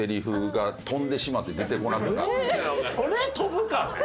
それ飛ぶかね？